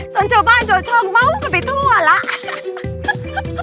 จนชาวบ้านโจ๖๔เมาท์กันไปทั่วแล้ว